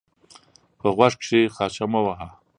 په غوږ کښي خاشه مه وهه!